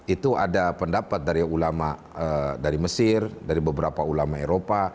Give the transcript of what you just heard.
itu ada pendapat dari ulama dari mesir dari beberapa ulama eropa